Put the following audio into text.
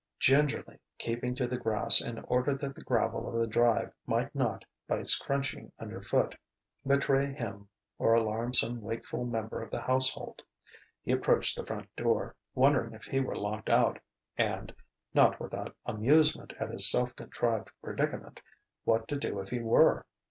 Gingerly, keeping to the grass in order that the gravel of the drive might not, by its crunching underfoot, betray him or alarm some wakeful member of the house hold, he approached the front door, wondering if he were locked out, and not without amusement at his self contrived predicament what to do if he were.